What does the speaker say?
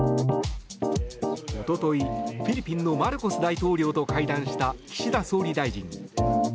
一昨日フィリピンのマルコス大統領と会談した岸田総理大臣。